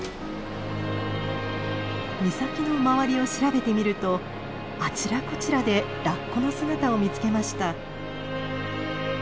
岬の周りを調べてみるとあちらこちらでラッコの姿を見つけました。